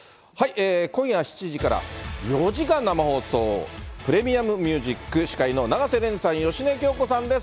今夜７時から、４時間生放送、ＰｒｅｍｉｕｍＭｕｓｉｃ、司会の永瀬廉さん、芳根京子さんです。